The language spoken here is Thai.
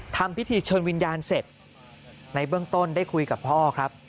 ทำพิธีเชิญวิญญาณเสร็จในเบื้องต้นได้คุยกับพ่อครับ